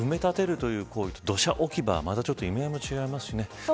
埋め立てるという行為と土砂置き場は意味合いも違いますしね。